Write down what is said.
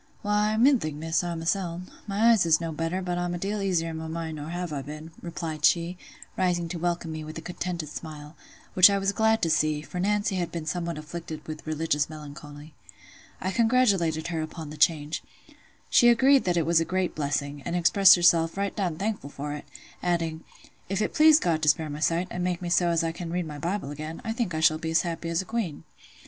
"Why, middling, Miss, i' myseln—my eyes is no better, but I'm a deal easier i' my mind nor I have been," replied she, rising to welcome me with a contented smile; which I was glad to see, for Nancy had been somewhat afflicted with religious melancholy. I congratulated her upon the change. She agreed that it was a great blessing, and expressed herself "right down thankful for it"; adding, "If it please God to spare my sight, and make me so as I can read my Bible again, I think I shall be as happy as a queen."